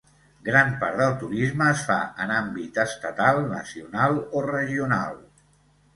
Gran part del turisme es fa en àmbit estatal, nacional, o regional.